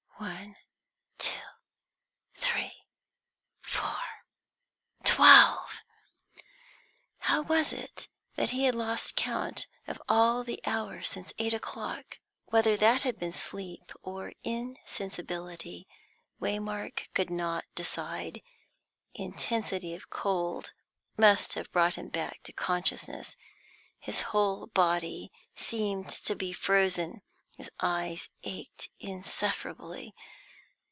"One, two, three, four twelve!" How was it that he had lost all count of the hours since eight o'clock? Whether that had been sleep or insensibility, Waymark could not decide. Intensity of cold must have brought back consciousness; his whole body seemed to be frozen; his eyes ached insufferably.